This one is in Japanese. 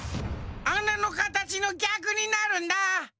あなのかたちのぎゃくになるんだ。